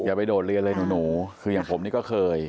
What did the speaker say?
อย่าไปโดดเรียนเลยหนูคืออย่างผมนี่ก็เคย